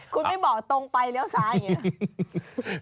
คุณไม่บอกตรงไปแล้วซ้ายังไง